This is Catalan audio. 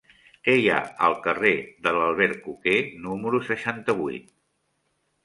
Què hi ha al carrer de l'Albercoquer número seixanta-vuit?